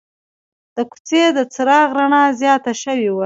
د کوڅې د چراغ رڼا زیاته شوې وه.